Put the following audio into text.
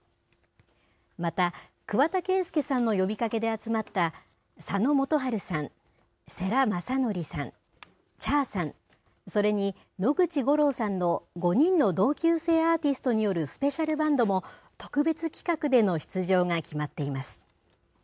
また、桑田佳祐さんの呼びかけで集まった、佐野元春さん、世良公則さん、Ｃｈａｒさん、それに野口五郎さんの５人の同級生アーティストによるスペシャルバンドも、特別企画での出場が決まっています。